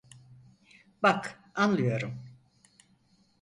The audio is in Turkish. Bak, anlıyorum.